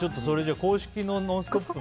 公式の「ノンストップ！」